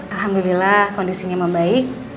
alhamdulillah kondisinya membaik